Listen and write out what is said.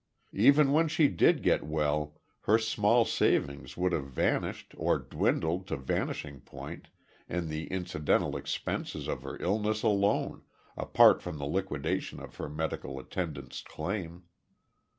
Even when she did get well her small savings would have vanished, or dwindled to vanishing point, in the incidental expenses of her illness alone, apart from the liquidation of her medical attendant's claim.